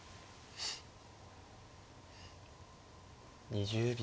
２０秒。